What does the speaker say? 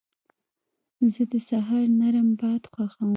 زه د سهار نرم باد خوښوم.